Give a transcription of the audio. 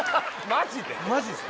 マジです